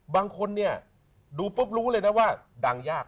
บางคนเนี่ยดูปุ๊บรู้เลยนะว่าดังยาก